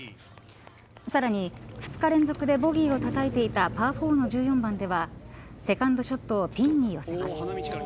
さらに、２日連続でボギーをたたいていたパー４の１４番ではセカンドショットをピンに寄せます。